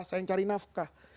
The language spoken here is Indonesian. saya yang cari nafkah